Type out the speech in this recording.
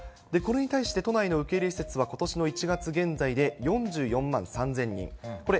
これに対して都内の受け入れ施設は、ことしの１月現在で４４万３０００人。